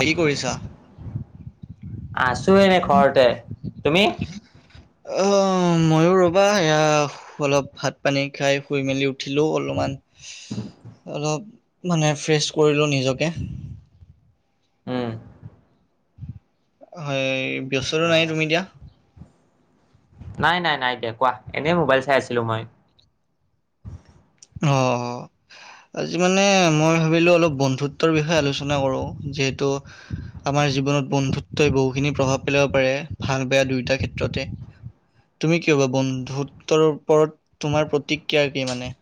কি কৰিছা? আছো এনে ঘৰতে, তুমি? অঁ, ময়ো ৰ'বা সেয়া- অলপ ভাত পানী খাই শুই মেলি উঠিলো, অলপমান- অলপ মানে ফ্ৰেছ কৰিলো নিজকে। উম। হয়, ব্যস্তটো অ নাই তুমি এতিয়া? নাই, নাই, নাই, দিয়া কোৱা? এনেই মোবাইল চাই আছিলো মই। অঁ। আজি মানে মই ভাবিলোঁ অলপ বন্ধুত্বৰ বিষয়ে আলোচনা কৰোঁ। যিহেতু- আমাৰ জীৱনত বন্ধুত্বই বহুখিনি প্ৰভাৱ পেলাব পাৰে ভাল, বেয়া দুয়োটা ক্ষেত্ৰতে। তুমি কি ভবা, বন্ধুত্বৰ ওপৰত তোমাৰ প্ৰতিক্ৰিয়া কি মানে?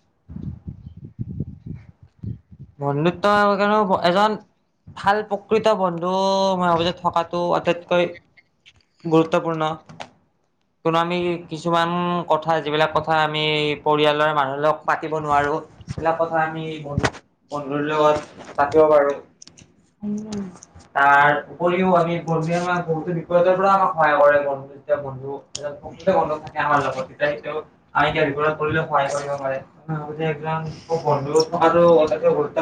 বন্ধুত্ব কোনো এজন- ভাল প্ৰকৃত বন্ধু মই ভাবো যেন থকাটো আটাইতকৈ- গুৰুত্বপূৰ্ণ। কোনো আমি কিছুমান কথা যিবিলাক কথা আমি পৰিয়ালৰ মানুহবিলাক- পাতিব নোৱাৰো, সেইবিলাক কথা আমি বন্ধু বন্ধুৰ লগত পাতিব পাৰোঁ। উম। তাৰ উপৰিও আমি বন্ধুই আমাক বহুতো বিপদৰ পৰা আমাক সহায় কৰে। বন্ধু যেতিয়া বন্ধু- প্ৰকৃত বন্ধু থাকে আমাৰ লগত, তেতিয়া সিহঁতেও আমি কিবা বিপদত পৰিলেও সহায় কৰিব পাৰে। মই ভাবো যে এজন বন্ধু থকাটো অতিকৈ গুৰুত্বপূৰ্ণ।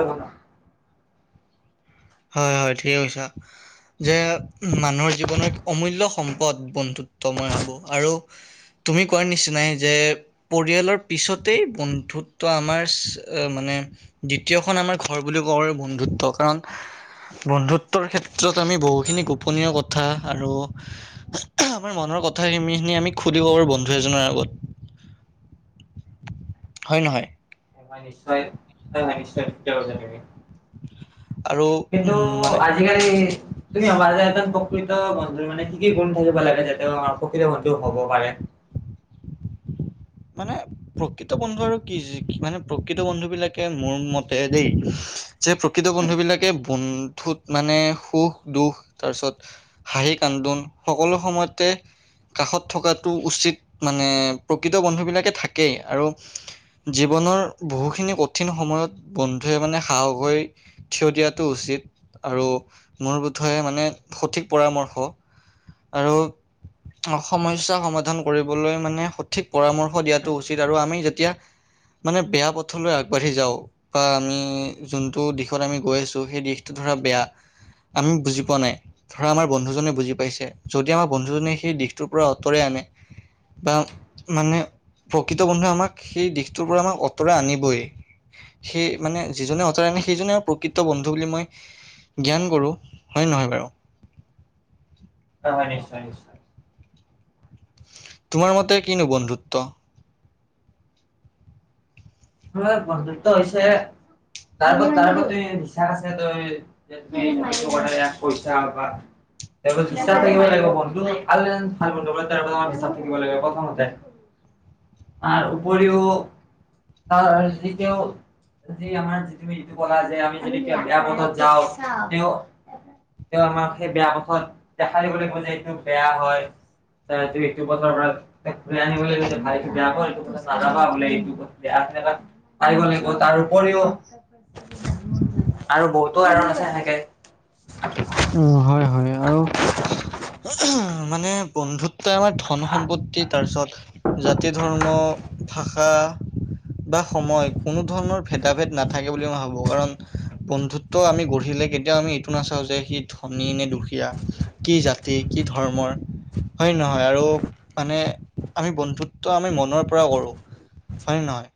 হয়, হয়, ঠিকে কৈছা। যে মানুহৰ জীৱনত অমূল্য সম্পদ বন্ধুত্ব মই ভাবোঁ আৰু- তুমি কোৱাৰ নিচিনাই যে- পৰিয়ালৰ পিছতেই বন্ধুত্ব আমাৰ [unintelligible] মানে দ্বিতীয়খন আমাৰ ঘৰ বুলি ক'ব পাৰি বন্ধুত্ব কাৰণ বন্ধুত্বৰ ক্ষেত্ৰত আমি বহুখিনি গোপনীয় কথা আৰু আমাৰ মনৰ কথাখিনি খিনি আমি সুধিব পাৰো বন্ধু এজনৰ আগত হয় নহয় নিশ্চয় নিশ্চয় [unintelligible] আৰু কিন্তু উম মানে আজিকালি তুমি আমাৰ এ এজন প্ৰকৃত বন্ধু মানে কি কি গুণ থাকিব লাগে যাতে আমাৰ প্ৰকৃত বন্ধু হব পাৰে মানে প্ৰকৃত বন্ধু আৰু কি মানে প্ৰকৃত বন্ধু বিলাকে মোৰ মতে দেই যে প্ৰকৃত বন্ধু বিলাকে বন্ধুত মানে সুখ দুখ তাৰপিছত হাঁহি কান্দোন সকলো সময়তে কাষত থকাটো উচিত মানে প্ৰকৃত বন্ধু বিলাকে থাকেই আৰু জীৱনৰ বহুখিনি কঠিন সময়ত বন্ধুৱে মানে সাহস হৈ থিয় দিয়াটো উচিত আৰু মোৰ বোধহয়ে মানে সঠিক পৰামৰ্শ আৰু সমস্যা সমাধান কৰিবলৈ মানে ঠিক পৰামৰ্শ দিয়াটো উচিত আৰু আমি যেতিয়া মানে বেয়া পথলৈ আগবাঢ়ি যাওঁ বা আমি যোনটো দিশত আমি গৈ আছো সেই দিশটো ধৰা বেয়া আমি বুজি পোৱা নাই ধৰা আমাৰ বন্ধুজনে বুজি পাইছে যদি আমাৰ বন্ধুজনে সেই দিশটোৰ পৰা অতৰাই আনে বাওঁ মানে প্ৰকৃত বন্ধুৱে আমাক সেই দিশটোৰ পৰা আমাক অতৰাই আনিবই সেই মানে যিজনে অঁতৰাই আনে সেইজনেই আৰু প্ৰকৃত বন্ধু বুলি মই জ্ঞান গঢ়ো হয় নহয় বাৰু হয় হয় নিশ্চয় নিশ্চয় তোমাৰ মতে কিনো বন্ধুত্ব এ বন্ধুত্ব হৈছেহে তাৰ আগত তাৰ আগত এই বিশ্বাস আছে তই তুমি মালটো বনালে পইচা পাবা হিচাপ থাকিব লাগিব বন্ধু আৰু ভাল বন্ধু বান্ধৱ তাৰ আ হিচাপ থাকিব লাগিব প্ৰথমতে [inaudible] তাৰ উপৰিও তাৰ যি তেওঁৰ সেই আমাৰ যি তুমি যিটো কলা যে আমি যদি কিবা বেয়া পথত যাওঁ তেও তেওঁ আমাক সেই বেয়া পথত দেখা দিবলৈ কয় যে এইটো বেয়া হয় ত ত এইটো পথৰ পৰা ঘুৰাই আনিব লাগ যে ভাই এইটো বেয়া হয় এইটো পথত নাযাবা বোলে এইটো বেয়া থেকা পায় বুলি কয় তাৰ উপৰিও আৰু বহুতো কাৰণ আছে সেনেকে উ হয় হয় আৰু মানে বন্ধু ত্বয় আমাক ধন সম্পত্তি তাৰপিছত জাতি ধৰ্ম ভাষা বা সময় কোনো ধৰণৰ ভেদাভেদ নাথাকে বুলি মই ভাবো কাৰণ বন্ধু তো আমি গঢ়িলে কেতিয়াও আমি এইটো নাচাওঁ যে কি ধনী নে দুখীয়া কি জাতি কি ধৰ্মৰ হয় নহয় আৰু মানে আমি বন্ধুত্ব আমি মনৰ পৰা কৰো হয় নহয়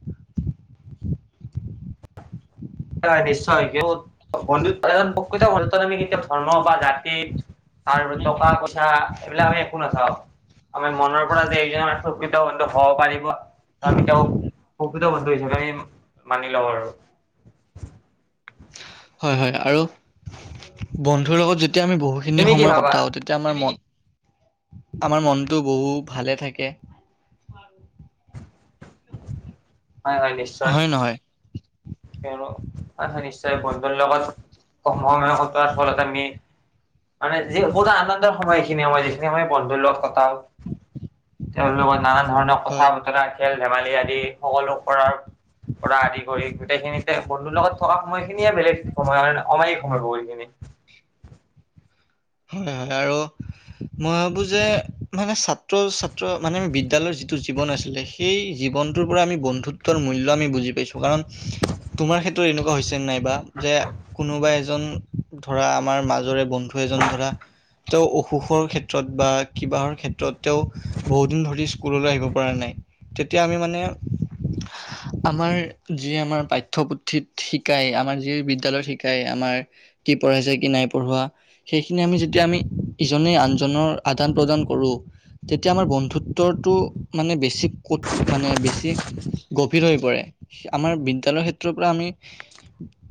হয় নিশ্চয় [unintelligible] বন্ধুত্ব এজন প্ৰকৃত বন্ধুত্বত আমি কেতিয়া ধৰ্ম জাতি আৰু টকা পইচা এইবিলাক আমি একো নাচাওঁ। আমি মনৰ পৰা যে এইজন আমাৰ প্ৰকৃত বন্ধু হব পাৰিব ত আমি তেওঁক প্ৰকৃত বন্ধু হিচাপে আমি মানি লওঁ আৰু। হয় হয় আৰু বন্ধুৰ লগত যেতিয়া আমি বহুতখিনি তুমি কি সময় ভাবা? কটাও তেতি তিয়া আমাৰ মন, আমাৰ মনটো বহু ভালে থাকে। হয় হয় নিশ্চ হয় নহয়? কিয়নো হয় হয় নিশ্চয় বন্ধুৰ লগত কম সময় কটোৱাৰ ফলত আমি মানে যি বহুতো আনন্দৰ সময় এইখিনি সময় যিখিনি সময় বন্ধুৰ লগত কটাও তেওঁৰ লগত নানান ধৰণৰ কথা হয় বতৰা খেল ধেমালি আদি সকলো কৰাৰ হয়। পৰা আদি কৰি সেইখিনিতে বন্ধুৰ লগত থকা সময় খিনিয়ে বেলেগ সময় মানে অমায়িক সময় বহুখিনি। হয় হয় আৰু মই ভাবোঁ যে মানে ছাত্ৰ ছাত্ৰ মানে বিদ্যালয়ৰ যিটো জীৱন আছিলে সেই জীৱনটোৰ পৰা আমি বন্ধুত্বৰ মূল্য আমি বুজি পাইছোঁ, কাৰণ তোমাৰ ক্ষেত্ৰত এনেকুৱা হৈছেনে নাইবা যে কোনোবা এজন ধৰা আমাৰ মাজৰে বন্ধু এজন ধৰা তেওঁ অসুখৰ ক্ষেত্ৰত বা কিবাহৰ ক্ষেত্ৰত তেওঁ বহুত দিন ধৰি স্কুললৈ আহিব পৰা নাই। তেতিয়া আমি মানে আমাৰ যি আমাৰ পাঠ্যপুথিত শিকায় আমাৰ যি বিদ্যালয়ত শিকায় আমাৰ কি পঢ়াইছে কি নাই পঢ়োৱা, সেইখিনি আমি যেতিয়া আমি ইজনে আনজনৰ আদান প্ৰদান কৰোঁ। তেতিয়া আমাৰ বন্ধুত্বটো মানে বেছি কঠো মানে বেছি গভীৰ হৈ পৰে। আমাৰ বিদ্যালয়ৰ ক্ষেত্ৰৰ পৰা আমি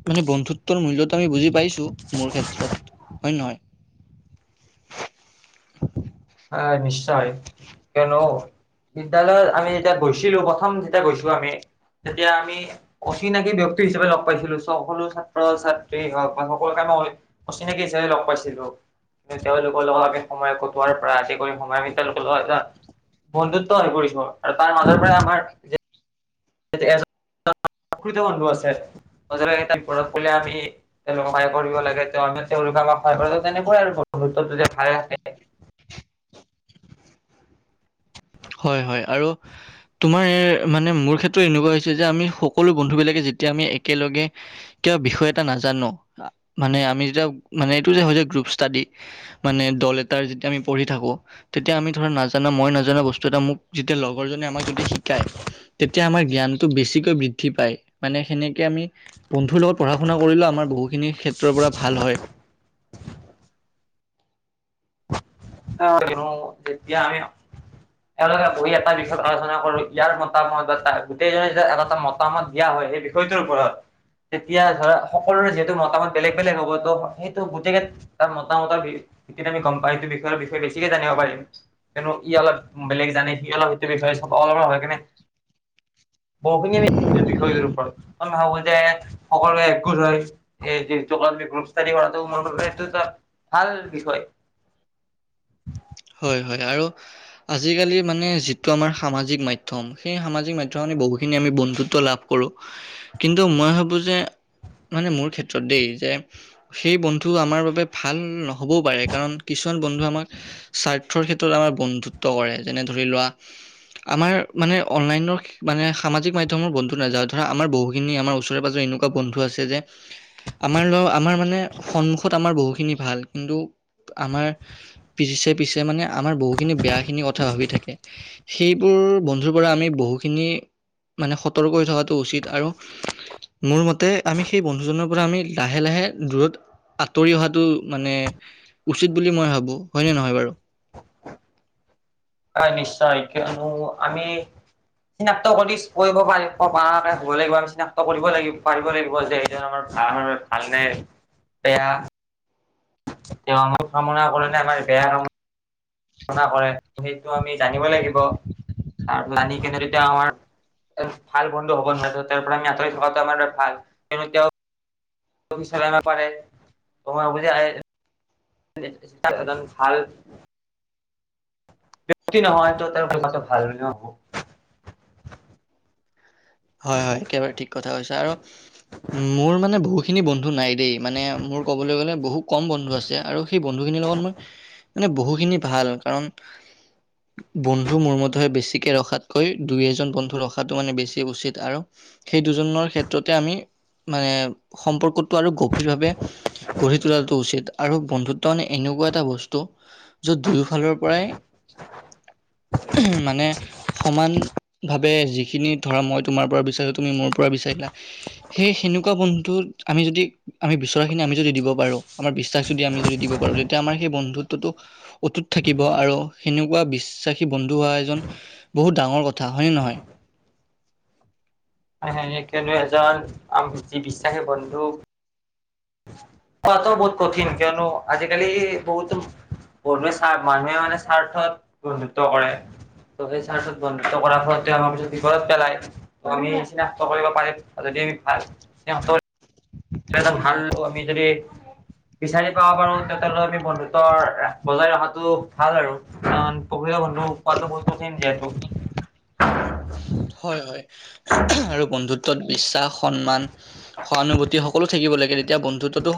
মানে বন্ধুত্ব তৰ মূল্যটো আমি বুজি পাইছোঁ মোৰ ক্ষেত্ৰত, হয় নে নহয়? আহ নিশ্চয়, কিয়নো বিদ্যালয়ত আমি যেতিয়া গৈছিলো প্ৰথম যেতিয়া গৈছো আমি, তেতিয়া আমি অচিনাকি ব্যক্তি হিচাপে লগ পাইছিলো সকলো ছাত্ৰ ছাত্ৰী হওক বা সকলোকে অচিনাকি হিচাপে লগ পাইছিলো কিন্তু তেওঁলোকৰ লগত আগে সময় কটোৱাৰ পৰা আদি কৰি সময় তেওঁলোকে লৈ এতিয়া বন্ধুত্ব হৈ পৰিব আৰু তাৰ মাজৰ পৰা আমাৰ [inaudible] বন্ধু আছে [inaudible] বিপদত পৰিলে আমি তেওঁলোকক সহায় কৰিব লাগে, তেওঁলোকে আমাক সহায় কৰে, তেনেকুৱাই আৰু বন্ধুত [inaudible] হয় হয় আৰু তোমাৰ মানে মোৰ ক্ষেত্ৰত এনেকুৱা হৈছে যে আমি সকলো বন্ধুবিলাকে যেতিয়া আমি একেলগে কিবা বিষয় এটা নাজানো মানে আমি যেতিয়া মানে এইটো যে হয় যে গ্ৰুপ ষ্টাডি মানে দল এটাৰ যেতিয়া আমি পঢ়ি থাকো তেতিয়া আমি ধৰা নাজানা মই নাজানা বস্তু টো এটা মোক যেতিয়া লগৰজনে আমাক যদি শিকায় তেতিয়া আমাৰ জ্ঞানটো বেছিকৈ বৃদ্ধি পায়, মানে সেনেকে আমি বন্ধুৰ লগত পঢ়া শুনা কৰিলেও আমাৰ বহুখিনি ক্ষেত্ৰৰ পৰা ভাল হয়। [inaudible] তেতিয়া আমি এওঁলোকে বহি এটা বিষয়ত আলোচনা কৰো ইয়াৰ মতামত বা গোটেইজনে যে এটা এটা মতামত দিয়া হয় সেই বিষয় ছয়টো ওৰত তেতিয়া ধৰা সকলোৰে যিহেতু মতামত বেলেগ বেলেগ হ'ব ত সেইটো গোটেইকে তাৰ মতামত আমি গম পা এইটো বিষয়ে বেছিকে জানিব পাৰিম। কিন্তু ই অলপ বেলেগ জানে সি অলপ সেইটো বিষয়ে অলপ হৈ কিনে বহুখিনি আমি যি বিষয়টোৰ ওপৰত মই ভাবো যে সকলোৱে একগোট হৈ- সেই কৰাটো কৰাতকে গ্ৰুপ ষ্টাডী কৰাটো এটা ভাল বিষয়। হয়-হয়। আৰু- আজিকালি মানে যিটো আমাৰ সামাজিক মাধ্যম সেই সামাজিক মাধ্যমত বহুখিনি আমি বন্ধুত্ব লাভ কৰোঁ। কিন্তু মই ভাবো যে মানে মোৰ ক্ষেত্ৰত দেই, যে- সেই বন্ধু আমাৰ বাবে ভাল নহ'বও পাৰে, কাৰণ কিছুমান বন্ধু আমাক- স্বাৰ্থৰ ক্ষেত্ৰত আমাৰ বন্ধুত্ব কৰে। যেনে ধৰি লোৱা- আমাৰ মানে অনলাইনৰ মানে সামাজিক মাধ্যমৰ বন্ধু নাযাওঁ, ধৰা আমাৰ বহুখিনি আমাৰ ওচৰে পাজৰে এনেকুৱা- বন্ধু আছে যে- আমাৰ লগ, আমাৰ মানে সন্মুখত আমাৰ বহুখিনি ভাল কিন্তু আমাৰ- পিছে-পিছে মানে আমাৰ বহুখিনি বেয়াখিনি কথা ভাবি থাকে। সেইবোৰ বন্ধুৰ পৰা আমি বহুখিনি মানে সতৰ্ক হৈ থকাটো উচিত আৰু- মোৰ মতে আমি সেই বন্ধুজনৰ পৰা আমি লাহে-লাহে দূৰত- আঁতৰি অহাটো মানে উচিত বুলি মই ভাবো, হয় নে নহয় বাৰু? হয়, নিশ্চয়। কিয়নো আমি- চিনাক্ত কৰি কৰিব পাৰিব হ'ব লাগিব, আমি চিনাক্ত কৰিব লাগিব, পাৰিব লাগিব যে- যে আমাৰ ভা-ভাল নে বেয়া। তেওঁ আমাৰ কামনা ক'ৰে নে আমাৰ বেয়া কাম- না কৰে, সেইটো আমি জানিব লাগিব। তাৰ জানি কিনে তেতিয়া আমাৰ- ভাল বন্ধু হ'ব নোৱাৰে তো তাৰ পৰা আমি আঁতৰি থকাটো আমাৰ বাবে ভাল। কিন্তু তেওঁ- [unintelligible] একদম ভাল- ক্ষতি নহয় তো তেওঁৰ থকাটো ভাল ন'। হয়-হয়, একেবাৰে ঠিক কথা কৈছা। আৰু মোৰ মানে বহুত- সেইখিনি বন্ধু নাই দেই, মানে মোৰ ক'বলৈ গ'লে বহুত কম বন্ধু আছে আৰু সেই বন্ধু খিনিৰ লগত মোৰ- মানে বহুখিনি ভাল। কাৰণ- বন্ধু মোৰ মতে বেছিকে ৰখাতকৈ দুই এজন বন্ধু ৰখাটো মানে বেছিয়ে উচিত। আৰু সেই দুজনৰ ক্ষেত্ৰতে আমি মানে সম্পৰ্কটো আৰু গভীৰভাৱে- গঢ়ি তোলাটো উচিত। আৰু বন্ধুত্ব মানে এনেকুৱা এটা বস্তু- য'ত দুয়োফালৰ পৰাই- মানে সমান ভাৱে যিখিনি ধৰা মই- তোমাৰ পৰা বিচাৰিলা, তুমি মোৰ পৰা বিচাৰিলা। সেই সেনেকুৱা বন্ধু আমি যদি- আমি বিচৰাখিনি আমি যদি দিব পাৰো, আমাৰ বিশ্বাস যদি আমি যদি দিব পাৰো, তেতিয়া আমাৰ বন্ধুত্বটো- অটুত থাকিব আৰু সেনেকুৱা বিশ্বাসী বন্ধু হোৱা এজন- বহুত ডাঙৰ কথা হয় নে নহয়। সেই কিয়নো এজন আমি বিশ্বাসী বন্ধু কোৱাটো বহুত কঠিন, কিয়নো আজিকালি বহুত বহুতে স্বাৰ্থ মানুহে মানে স্বাৰ্থত বন্ধুত্ব কৰে। ত' সেই স্বাৰ্থত যদি বন্ধুত্ব কৰাৰ ফলত আমাক যদি বিপদত পেলায়। ত' আমি চিনাক্ত কৰিব পাৰিম, আৰু যদি আমি ভাল চিনাক্ত- কৰি ভাল আমি যদি- বিচাৰি পাব পাৰো তেন্তে লৈ আমি বন্ধুত্ব বজাই ৰখাটো ভাল আৰু। কাৰণ প্ৰকৃত বন্ধ পোৱাটো বহুত কঠিন যিহেতু। হয়, হয়, আৰু বন্ধুত বিশ্বাস, সন্মান সহানুভূতি সকলো থাকিব লাগে, তেতিয়া বন্ধুত্বো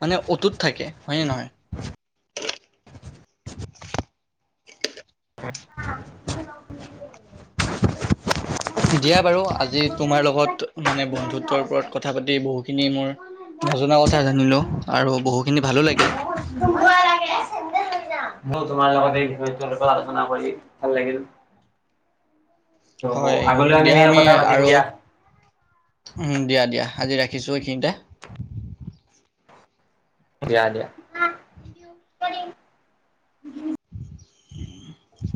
মানে অতুত থাকে হয় নে নহয়? [inaudible] [unintelligible] দিয়া বাৰু আজি তোমাৰ লগত মানে বন্ধুত্ব ৰ ওপৰত কথা পাতি বহুখিনি মোৰ নজনা কথা জানিলোঁ আৰু বহুখিনি ভালো লাগিল। [unintelligible] মোৰ তোমাৰ লগত এই বিষয়টোৰ লগত আলোচনা কৰি ভাল লাগিল। ত' হয়, আগলৈও দিয়া এনেকে আমি কথা পাতিম আৰু দিয়া। দিয়া দিয়া আজি ৰাখিছোঁ এইখিনিতে। দিয়া দিয়া। [inaudible]